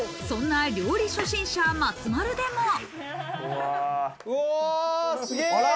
そんな料理初心者・松丸でも。